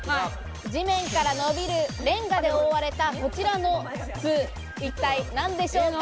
地面からのびるレンガで覆われたこちらの筒、一体何でしょうか？